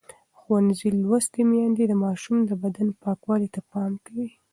ښوونځې لوستې میندې د ماشومانو د بدن پاکوالي ته پام کوي.